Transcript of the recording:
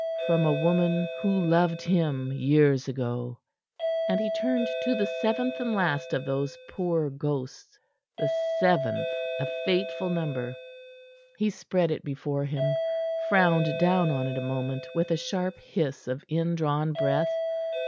"From a woman who loved him years ago." And he turned to the seventh and last of those poor ghosts the seventh, a fateful number. He spread it before him; frowned down on it a moment with a sharp hiss of indrawn breath.